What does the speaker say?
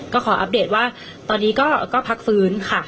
ก็ขออัปเดตว่าตอนนี้ก็พักฟื้นค่ะ